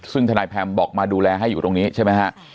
ซึ่งทนายแพมบอกมาดูแลให้อยู่ตรงนี้ใช่ไหมฮะ